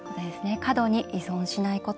過度に依存しないこと。